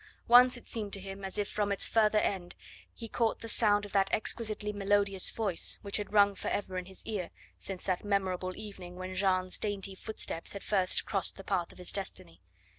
Once it seemed to him as if from its further end he caught the sound of that exquisitely melodious voice which had rung forever in his ear since that memorable evening when Jeanne's dainty footsteps had first crossed the path of his destiny.